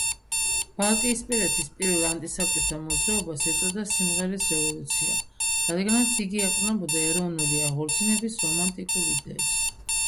ბალტიისპირეთის პირველ ანტისაბჭოთა მოძრაობას ეწოდა სიმღერის რევოლუცია, რადგანაც იგი ეყრდნობოდა ეროვნული აღორძინების რომანტიკულ იდეებს.